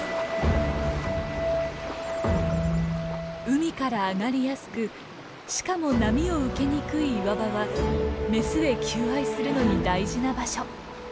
海から上がりやすくしかも波を受けにくい岩場はメスへ求愛するのに大事な場所。